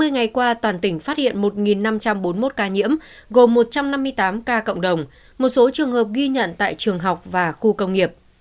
hai mươi ngày qua toàn tỉnh phát hiện một năm trăm bốn mươi một ca nhiễm gồm một trăm năm mươi tám ca cộng đồng một số trường hợp ghi nhận tại trường học và khu công nghiệp